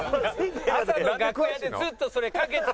朝の楽屋でずっとそれかけてたけど。